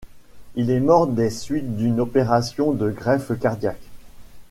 Il est mort des suites d'une opération de greffe cardiaque.